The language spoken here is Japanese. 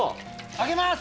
上げます！